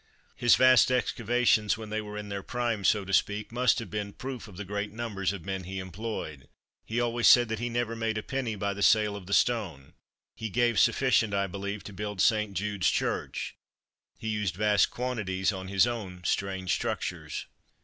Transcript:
His vast excavations when they were in their prime, so to speak, must have been proof of the great numbers of men he employed. He always said that he never made a penny by the sale of the stone. He gave sufficient, I believe, to build St. Jude's Church. He used vast quantities on his own strange structures.